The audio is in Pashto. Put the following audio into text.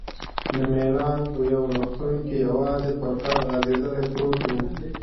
د میلان په یو روغتون کې یوازې پر کټ غځېدلی پروت وم.